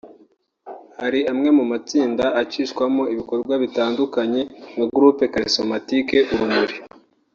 Hari amwe mu matsinda acishwamo ibikorwa bitandukanye nka Groupe Charismatique Urumuri